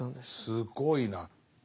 すごいな。